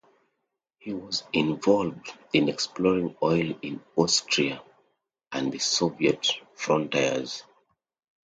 He was involved in exploring oil in Austria and the Soviet frontiers.